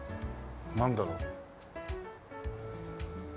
なんだろう？